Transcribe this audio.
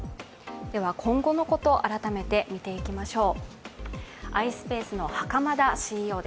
今後のこと、改めて見ていきましょう。